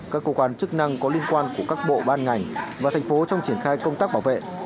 các cơ quan chức năng có liên quan của các bộ ban ngành và thành phố trong triển khai công tác bảo vệ